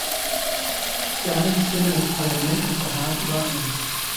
Darin stimmen das Parlament und der Rat überein.